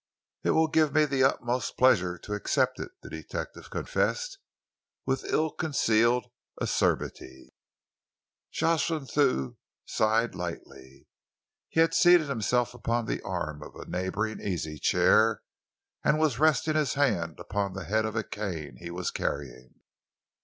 "It will give me the utmost pleasure to accept it," the detective confessed, with ill concealed acerbity. Jocelyn Thew sighed lightly. He had seated himself upon the arm of a neighbouring easy chair and was resting his hand upon the head of a cane he was carrying.